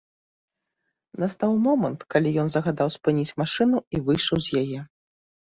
Настаў момант, калі ён загадаў спыніць машыну і выйшаў з яе.